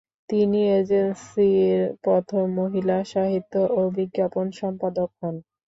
তিনি এজেন্সির প্রথম মহিলা সাহিত্য ও বিজ্ঞাপন সম্পাদক হন।